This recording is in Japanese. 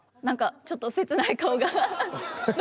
何かちょっと切ない顔が。